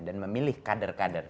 dan memilih kader kader